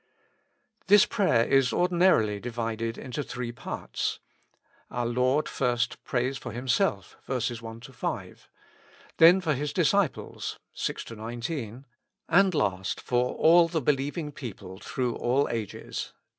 This prayer is ordinarily divided into three parts. Our Lord first prays for Himself (v. 1 5), then for His disciples (6 19), and last for all the believing people through all ages (20 26).